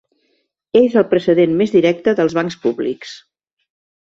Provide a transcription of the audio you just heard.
És el precedent més directe dels bancs públics.